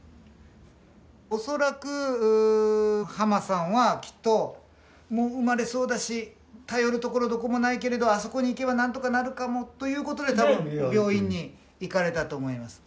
恐らくハマさんはきっともう生まれそうだし頼るところどこもないけれどあそこに行けば何とかなるかもということで多分病院に行かれたと思います。